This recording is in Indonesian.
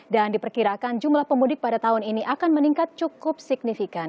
dan diperkirakan jumlah pemudik pada tahun ini akan meningkat cukup signifikan